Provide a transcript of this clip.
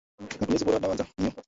Matumizi bora ya dawa za minyoo